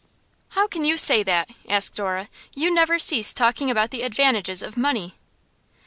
'How can you say that?' asked Dora. 'You never cease talking about the advantages of money.